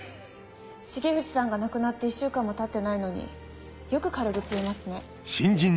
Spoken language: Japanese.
重藤さんが亡くなって１週間も経ってないのによく軽口言えますね。